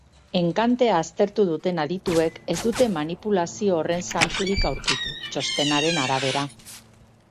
Enkantea aztertu duten adituek ez dute manipulazio horren zantzurik aurkitu, txostenaren arabera.